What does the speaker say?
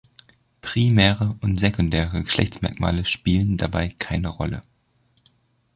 Primäre und sekundäre Geschlechtsmerkmale spielen dabei keine Rolle.